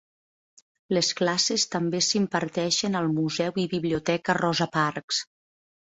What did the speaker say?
Les classes també s'imparteixen al Museu i Biblioteca Rosa Parks.